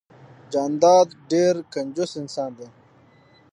جانداد ډیررر کنجوس انسان ده